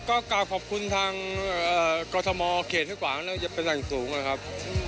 ก็กลับบอกคุณทางกษมโมเกษก่อนว่าจะมีสังสูงก่อนครับ